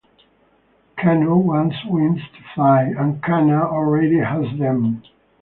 Kano wants wings to fly, and Kanna already has them.